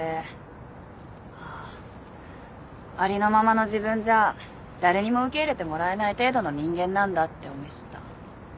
ありのままの自分じゃ誰にも受け入れてもらえない程度の人間なんだって思い知った。